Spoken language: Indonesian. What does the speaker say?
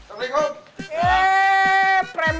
ah apaan ini